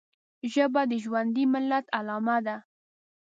ژبه د ژوندي ملت علامه ده